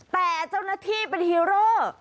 แต่เจ้าหน้าที่เป็นฮีโร่